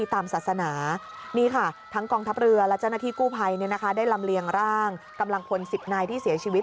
ทำเลียงร่างกำลังพล๑๐นายที่เสียชีวิต